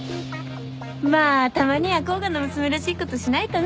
まあたまには甲賀の娘らしいことしないとね。